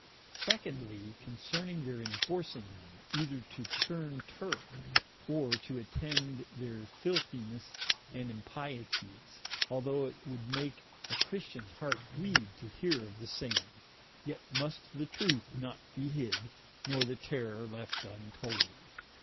Secondly, concerning their enforcing them, either to turne Turke, or to attend their filthines and impieties, although it would make a Christians heart bleed to heare of the same, yet must the truth not be hid, nor the terror left untold.